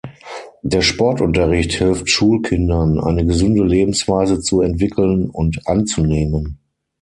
Der Sportunterricht hilft Schulkindern, eine gesunde Lebensweise zu entwickeln und anzunehmen.